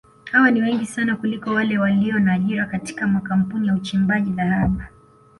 Hawa ni wengi sana kuliko wale walio na ajira katika makampuni ya uchimbaji dhahabu